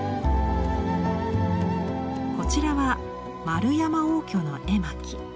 こちらは円山応挙の絵巻。